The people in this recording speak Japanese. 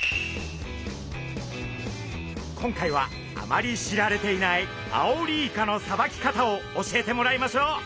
今回はあまり知られていないアオリイカのさばき方を教えてもらいましょう！